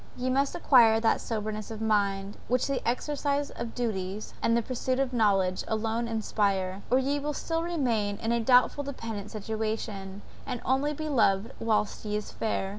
ye must acquire that soberness of mind, which the exercise of duties, and the pursuit of knowledge, alone inspire, or ye will still remain in a doubtful dependent situation, and only be loved whilst ye are fair!